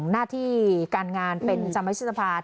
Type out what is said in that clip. หน้าที่การงานเป็นสมัยศิษภาษณ์